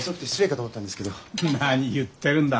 何言ってるんだ。